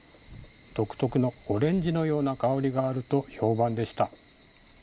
独特のオレンジのような香りがあると評判でした。